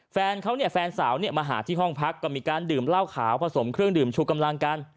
แฟนเขาเนี่ยแฟนสาวเนี่ยมาหาที่ห้องพักก็มีการดื่มเหล้าขาวผสมเครื่องดื่มชูกำลังกัน